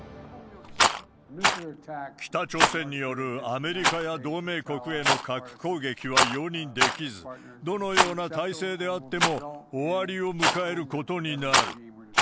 北朝鮮によるアメリカや同盟国への核攻撃は容認できず、どのような体制であっても、終わりを迎えることになる。